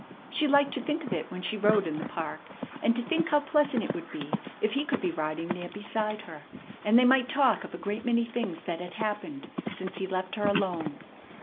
She liked to think of it when she rode in the park, and to think how pleasant it would be if he could be riding there beside her, and they might talk of a great many things that had happened since he left her alone.